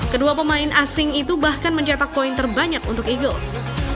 kedua pemain asing itu bahkan mencetak poin terbanyak untuk eagles